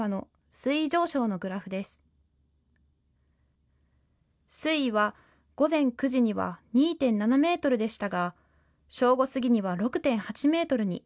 水位は、午前９時には２．７ｍでしたが正午過ぎには６．８ｍに。